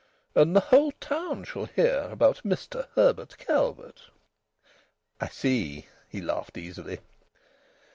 And the whole town shall hear all about Mr Herbert Calvert!" "I see," he laughed easily.